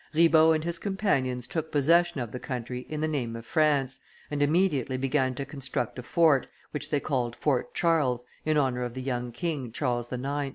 Ribaut and his companions took possession of the country in the name of France, and immediately began to construct a fort, which they called Fort Charles, in honor of the young king, Charles IX.